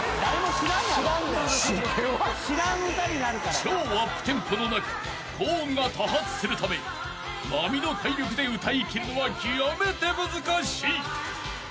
［超アップテンポの中高音が多発するため並の体力で歌い切るのは極めて難しい］